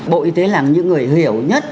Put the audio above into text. bộ y tế là những người hiểu nhất